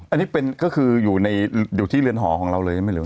อันนี้เป็นก็คืออยู่ที่เรือนหอของเราเลยไม่รู้